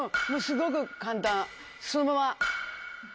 すごく簡単そのまま。